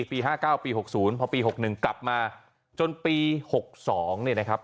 ปี๕๙ปี๖๐พอปี๖๑กลับมาจนปี๖๒เนี่ยนะครับ